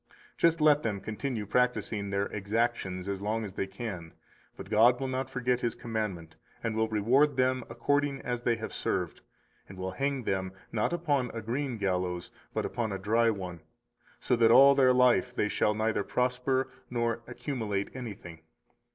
238 Just let them continue practising their exactions as long as they can; but God will not forget His commandment, and will reward them according as they have served, and will hang them, not upon a green gallows, but upon a dry one, so that all their life they shall neither prosper nor accumulate anything.